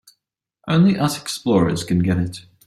Only us explorers can get it.